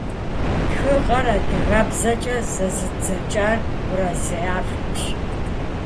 Тхыгъэр адыгэбзэкӀэ зэзыдзэкӀар Уэрэзей Афликщ.